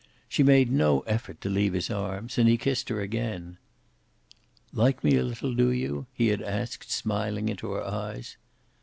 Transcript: She made no effort to leave his arms, and he kissed her again. "Like me a little, do you?" he had asked, smiling into her eyes.